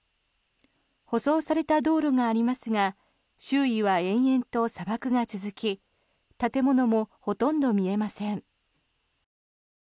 舗装された道路がありますが周囲は延々と砂漠が続き建物もほとんど見えません。